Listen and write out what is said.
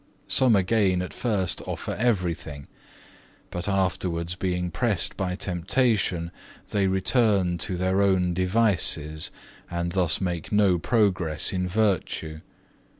Some again at first offer everything; but afterwards being pressed by temptation they return to their own devices, and thus make no progress in virtue.